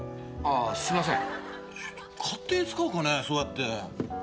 あすいません。